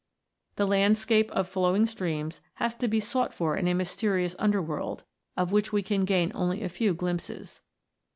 The landscape of flowing streams has to be sought for in a mysterious underworld, of which we can gain only a few glimpses.